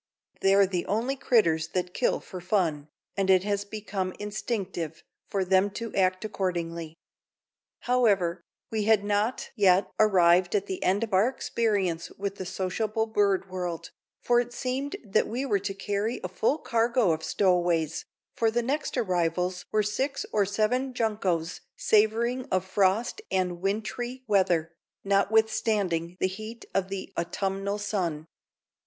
They're the only critters that kill fer fun," and it has become instinctive for them to act accordingly. However, we had not yet arrived at the end of our experience with the sociable bird world, for it seemed that we were to carry a full cargo of stowaways, for the next arrivals were six or seven juncos savoring of frost and wintry weather, notwithstanding the heat of the autumnal sun.